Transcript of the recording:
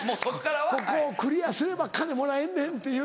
ここをクリアすれば金もらえんねんっていう。